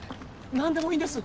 何でもいいんです。